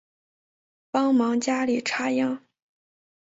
帮忙家里插秧